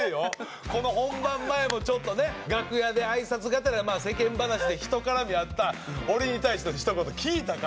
この本番前もちょっとね楽屋で挨拶がてら世間話でひと絡みあった俺に対してのひと言聞いたか？